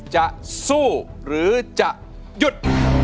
จะสู้หรือจะหยุด